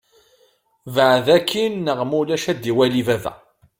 Beɛd akin neɣ ma ulac ad d-iwali baba.